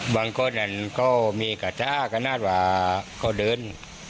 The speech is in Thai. บางคนก็มีคาถากระนาดว่าเขาเดิน